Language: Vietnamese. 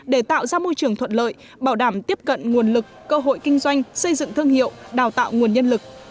để tạo ra môi trường thuận lợi bảo đảm tiếp cận nguồn lực cơ hội kinh doanh xây dựng thương hiệu đào tạo nguồn nhân lực